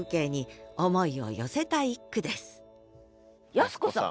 康子さん！